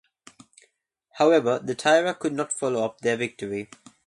However, the Taira could not follow up their victory.